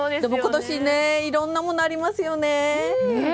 今年、いろんなものありますよね。